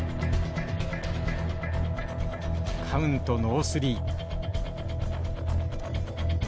カウントノースリー。